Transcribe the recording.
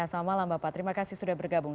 selamat malam bapak terima kasih sudah bergabung